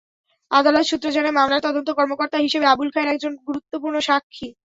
আদালত সূত্র জানায়, মামলার তদন্ত কর্মকর্তা হিসেবে আবুল খায়ের একজন গুরুত্বপূর্ণ সাক্ষী।